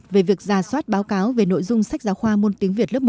về việc ra soát báo cáo về nội dung sách giáo khoa môn tiếng việt lớp một